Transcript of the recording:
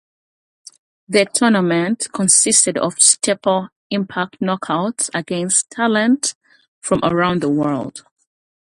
The tournament consisted of staple Impact Knockouts against talent from around the world.